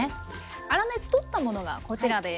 粗熱とったものがこちらです。